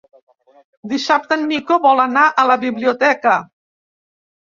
Dissabte en Nico vol anar a la biblioteca.